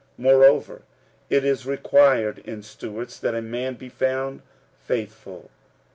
46:004:002 Moreover it is required in stewards, that a man be found faithful.